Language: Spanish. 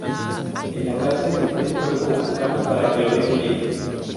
En la cárcel le prende fuego a su cama para que lo dejen libre.